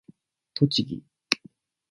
栃木